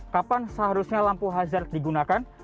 kapan seharusnya lampu hazard digunakan